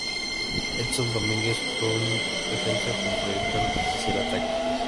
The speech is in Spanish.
Edson Domínguez fue un defensa con proyección hacia el ataque.